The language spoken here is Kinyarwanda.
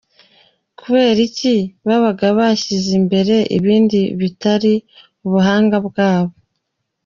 Kubera iki? Babaga bashyize imbere ibindi bitari ubuhanga bwabo….